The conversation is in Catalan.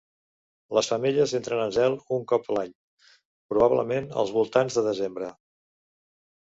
Les femelles entren en zel un cop l'any, probablement als voltants de desembre.